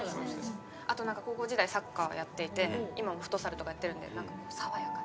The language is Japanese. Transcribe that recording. あと高校時代サッカーやっていて今もフットサルとかやってるんで何か爽やかな感じ。